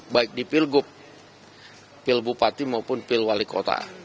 baik di pilgub pilbupati maupun pilwali kota